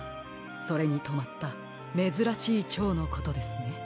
それにとまっためずらしいチョウのことですね。